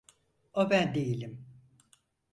O ben değilim.